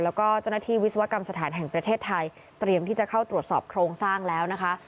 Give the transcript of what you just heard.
แล้วก็เจ้าหน้าที่วิศวกรรมสถานแห่งประเทศไทยเตรียมที่จะเข้าตรวจสอบโครงสร้างแล้วนะคะ